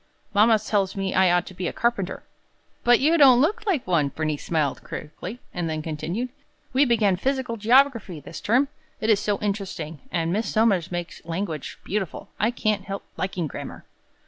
Mama tells me I ought to be a carpenter." "But you don't look like one," Bernice smiled, critically; and then continued: "We began physical geography this term. It is so interesting. And Miss Somers makes language beautiful; I can't help liking grammar!"